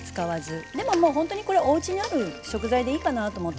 でももうほんとにこれおうちにある食材でいいかなと思ってて。